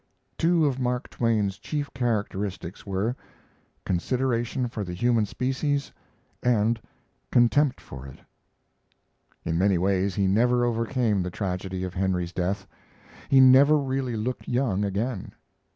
Two of Mark Twain's chief characteristics were consideration for the human species, and contempt for it. In many ways he never overcame the tragedy of Henry's death. He never really looked young again.